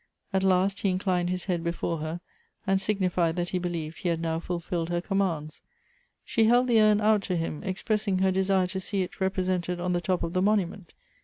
At last he inclined his head before her, and signified that he believed he had now fulfilled her commands. She held the urn out to him, expressing her. desire to see it represented on the top of the monument.